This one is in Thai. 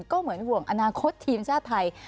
ก็เหมือนห่วงอนาคตทีมชาติไทย